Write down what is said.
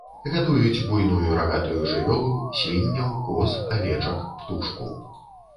Гадуюць буйную рагатую жывёлу, свінняў, коз, авечак, птушку.